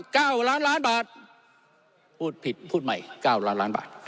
เก้าล้านล้านบาทพูดผิดพูดใหม่เก้าล้านล้านบาท